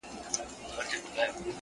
سړي وویل حاکمه ستا قربان سم!.